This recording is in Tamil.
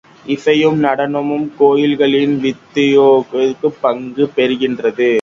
இசையும் நடனமும் கோயில்களின் நித்யோத்சவத்தில் பங்கு பெற்றிருக்கின்றன.